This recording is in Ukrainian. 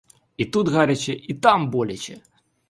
І тут гаряче — і там боляче!